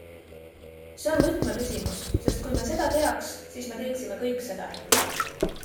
See on võtmeküsimus, sest kui me seda teaks, siis me teeksime kõik seda.